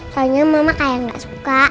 kayaknya mama kayak gak suka